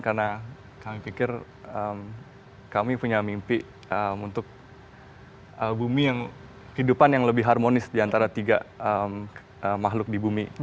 karena kami pikir kami punya mimpi untuk bumi yang kehidupan yang lebih harmonis diantara tiga makhluk di bumi